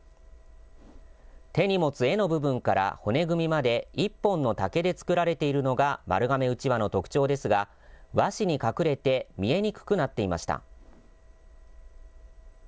手に持つ柄の部分から骨組みまで１本の竹で作られているのが、丸亀うちわの特徴ですが、和紙に隠れて見えにくくなっていました。